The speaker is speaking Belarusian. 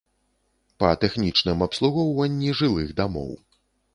Па тэхнічным абслугоўванні жылых дамоў.